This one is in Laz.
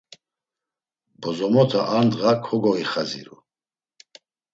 Bozomota ar ndğa kogoixaziru.